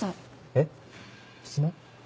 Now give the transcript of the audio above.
えっ？質問？